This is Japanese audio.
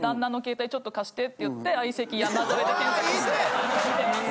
ちょっと貸してって言って相席山添で検索して見てます。